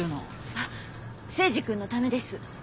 あっ征二君のためです。